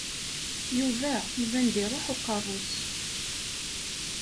Yuba iban-d iṛuḥ uqerru-s.